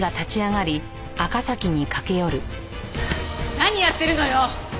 何やってるのよ！